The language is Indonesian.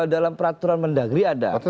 dalam peraturan mendagri ada